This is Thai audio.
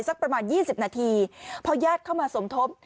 สักประมาณยี่สิบนาทีพอแยกเข้ามาสมทบ